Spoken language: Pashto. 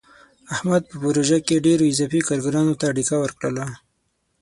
احمد په پروژه کې ډېرو اضافي کارګرانو ته ډیکه ورکړله.